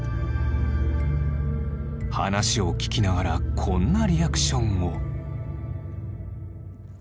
話を聞きながらこんなリアクションを。